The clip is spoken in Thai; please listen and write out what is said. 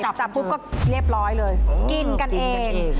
จับปุ๊บก็เรียบร้อยเลยกินกันเอง